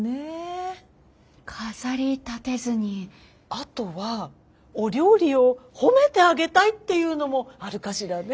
あとはお料理を褒めてあげたいっていうのもあるかしらね。